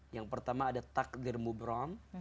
yang pertama ada takdir mubrom